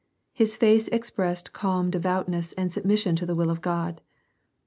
His face expressed calm devoutness and submission to the will of God.